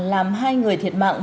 làm hai người thiệt mạng